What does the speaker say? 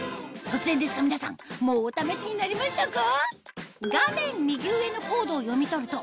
突然ですが皆さんもうお試しになりましたか？